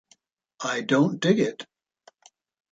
I don't dig it.